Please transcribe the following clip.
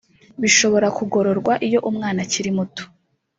bishobora kugororwa iyo umwana akiri muto